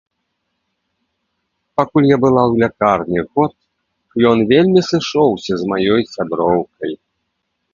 Пакуль я была ў лякарні год, ён вельмі сышоўся з маёй сяброўкай.